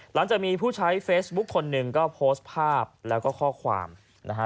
หลังจากมีผู้ใช้เฟซบุ๊คคนหนึ่งก็โพสต์ภาพแล้วก็ข้อความนะฮะ